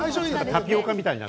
タピオカみたい。